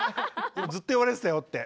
ずっと言われてたよって。